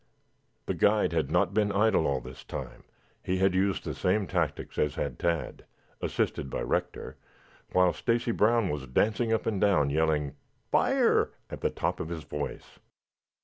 The guide had not been idle all this time; he had used the same tactics as had Tad, assisted by Rector, while Stacy Brown was dancing up and down yelling "Fire!" at the top of his voice.